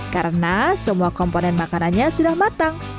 karena semua komponen makanannya sudah matang